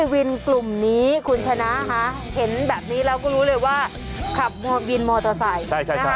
วินกลุ่มนี้คุณชนะค่ะเห็นแบบนี้เราก็รู้เลยว่าขับวินมอเตอร์ไซค์